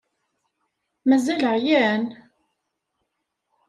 Mazal ɛyan?